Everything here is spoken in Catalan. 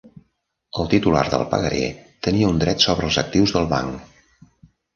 El titular del pagaré tenia un dret sobre els actius del banc.